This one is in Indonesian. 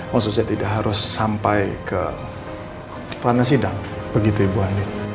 maksud saya tidak harus sampai ke ranah sidang begitu ibu ani